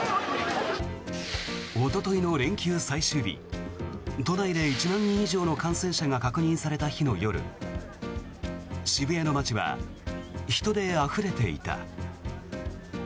おとといの連休最終日都内で１万人以上の感染者が確認された日の夜渋谷の街は人であふれていた。